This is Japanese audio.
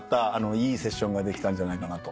いいセッションができたんじゃないかなと。